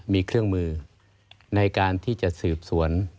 มีเครื่องมือในการที่จะสืบสวน